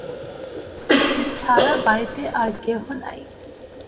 সে ছাড়া বাড়িতে আর কেহ নাই।